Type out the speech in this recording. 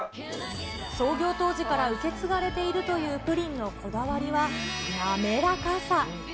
創業当時から受け継がれているというプリンのこだわりは、滑らかさ。